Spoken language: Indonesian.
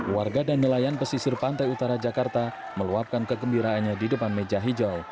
warga dan nelayan pesisir pantai utara jakarta meluapkan kegembiraannya di depan meja hijau